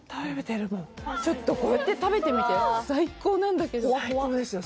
ちょっとこうやって食べてみて最高なんだけど最高ですよ